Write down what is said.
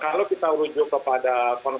kalau kita ujung kepada konvensi b